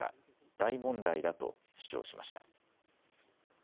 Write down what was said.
大問題だと主張しました。